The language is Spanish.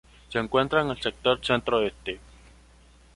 Se encuentra en el sector centro-este.